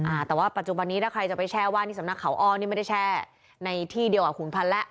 อ่าแต่ว่าปัจจุบันนี้ถ้าใครจะไปแช่ว่านที่สำนักเขาอ้อนี่ไม่ได้แช่ในที่เดียวกับขุนพันธ์แล้ว